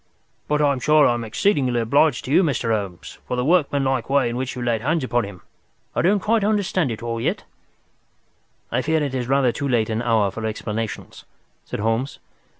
But I'm sure I am exceedingly obliged to you, Mr. Holmes, for the workmanlike way in which you laid hands upon him. I don't quite understand it all yet." "I fear it is rather too late an hour for explanations," said Holmes.